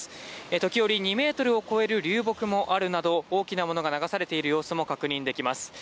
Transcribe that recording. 時折、２ｍを超える流木もあるなど、大きなものが流されている様子も確認できます。